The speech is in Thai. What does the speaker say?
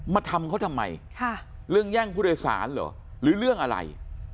มาทำเขาทำไมเรื่องแย่งผู้โดยสารเหรอหรือเรื่องอะไร